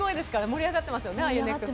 盛り上がってますよね。